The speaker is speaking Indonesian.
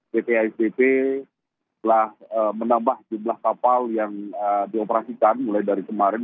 pt asdp telah menambah jumlah kapal yang dioperasikan mulai dari kemarin